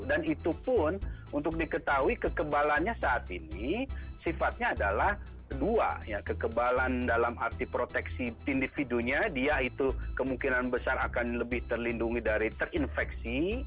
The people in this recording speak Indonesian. itu pun untuk diketahui kekebalannya saat ini sifatnya adalah dua ya kekebalan dalam arti proteksi individunya dia itu kemungkinan besar akan lebih terlindungi dari terinfeksi